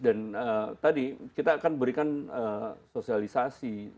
dan tadi kita akan berikan sosialisasi